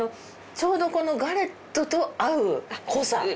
ちょうどこのガレットと合う濃さ。